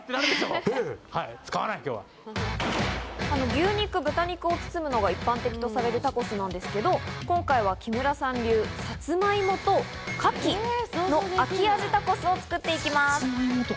牛肉、豚肉を包むのが一般的とされるタコスなんですけど、今回は木村さん流サツマイモとカキの秋味タコスを作っていきます。